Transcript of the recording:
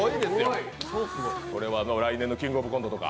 これは来年の「キングオブコント」とか。